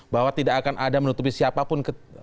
bahwa tidak akan ada menutupi siapapun